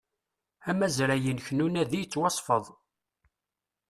Amazray-inek n unadi yettwasfed